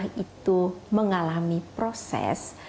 maka dia akan mengalami proses